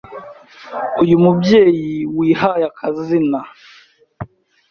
Uyu mubyeyi wihaye akazina